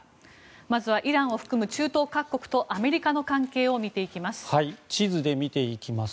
まずはイランを含む中東各国とアメリカの関係を見ていきます。